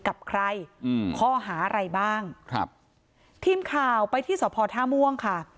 ใครข้อหาอะไรบ้างครับทีมค่าวไปที่สพทม่วงค่ะ